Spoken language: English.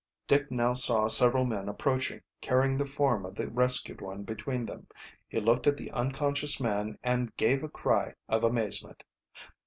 Dick now saw several men approaching, carrying the form of the rescued one between them. He looked at the unconscious man and gave a cry of amazement.